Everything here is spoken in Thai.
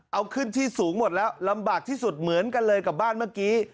เอาขึ้นที่สูงหมดแล้วลำบากที่สุดเหมือนกันเลยกับบ้านเมื่อกี้